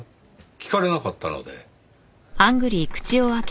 聞かれなかったので。